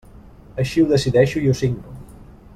Així ho decideixo i ho signo.